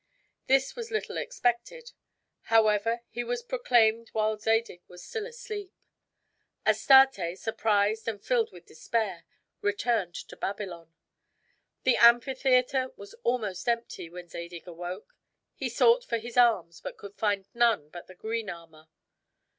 This was little expected; however, he was proclaimed while Zadig was still asleep. Astarte, surprised and filled with despair, returned to Babylon. The amphitheater was almost empty when Zadig awoke; he sought for his arms, but could find none but the green armor.